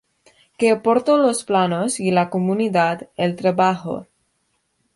Que aportó los planos y la comunidad el trabajo.